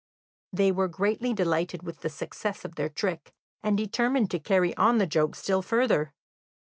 They were greatly delighted with the success of their trick, and determined to carry on the joke still further.